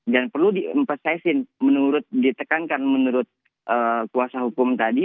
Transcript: dan perlu diimpesesin menurut ditekankan menurut kuasa hukum tadi